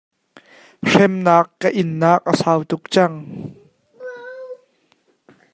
Hremnak kan innak a sau tuk cang.